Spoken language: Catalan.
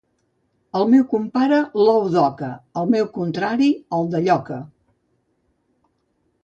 Al meu compare l'ou d'oca; al meu contrari, el de lloca.